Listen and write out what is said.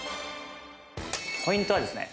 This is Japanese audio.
ポイントはですね